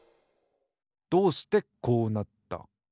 どうしてこうなった？